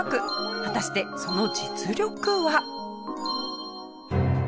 果たしてその実力は？